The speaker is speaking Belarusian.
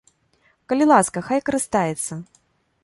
Калі ласка, хай карыстаецца!